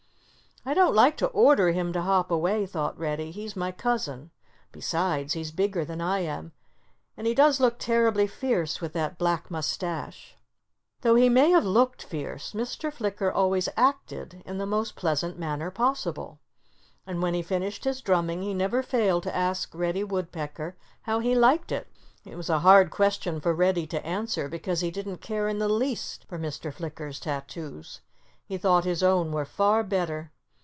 "I don't like to order him to hop away," thought Reddy. "He's my cousin. Besides, he's bigger than I am; and he does look terribly fierce with that black mustache."' Though he may have looked fierce, Mr. Flicker always acted in the most pleasant manner possible. And when he finished his drumming he never failed to ask Reddy Woodpecker how he liked it. It was a hard question for Reddy to answer, because he didn't care in the least for Mr. Flicker's tattoos. He thought his own were far better.